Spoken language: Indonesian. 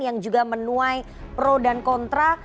yang juga menuai pro dan kontra